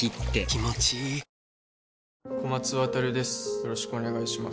よろしくお願いします